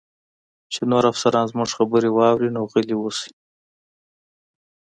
چې نور افسران زموږ خبرې واوري، نو غلي اوسئ.